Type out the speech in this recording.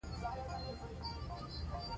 مقاومتونه یې مات کړل.